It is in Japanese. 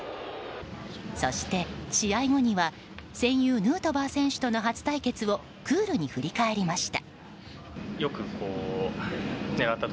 そして試合後には戦友ヌートバー選手との初対決をクールに振り返りました。